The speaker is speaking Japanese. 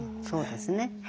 そうですね。